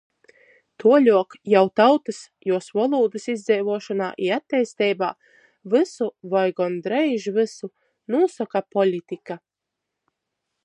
Tuoļuok jau tautys, juos volūdys izdzeivuošonā i atteisteibā vysu voi gondreiž vysu nūsoka politika.